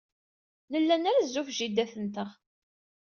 Nella nrezzu ɣef jida-tenteɣ.